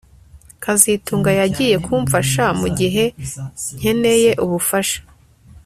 kazitunga yagiye kumfasha mugihe nkeneye ubufasha